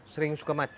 sering suka mati